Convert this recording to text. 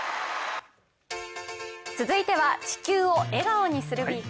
続いては「地球を笑顔にするＷＥＥＫ」